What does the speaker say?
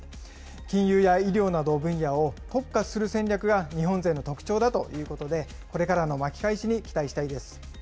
金融や医療など、分野を特化する戦略が特徴だということで、これからの巻き返しに期待したいです。